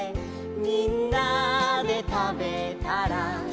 「みんなでたべたら」